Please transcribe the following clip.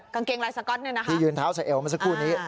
กางเกงลายสก๊อตที่ยืนเท้าใส่เอวมาสักครู่นี้